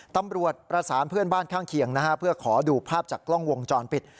ตำรวจประสานเพื่อนบ้านข้างเคียงนะฮะเพื่อขอดูภาพจากกล้องวงจรปิด